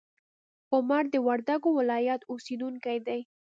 عمر د وردګو ولایت اوسیدونکی دی.